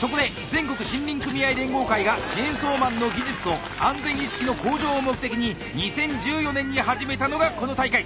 全国森林組合連合会がチェーンソーマンの技術と安全意識の向上を目的に２０１４年に始めたのがこの大会！